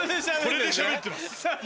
これでしゃべってる？